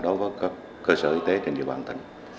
đối với các cơ sở y tế trên địa bàn tỉnh